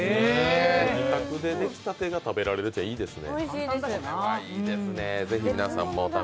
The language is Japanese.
自宅で出来たてが食べれるっていいですね。